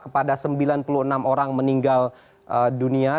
kepada sembilan puluh enam orang meninggal dunia